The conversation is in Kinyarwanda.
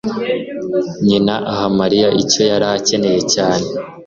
nyina, aha Mariya icyo yari akeneye cyane :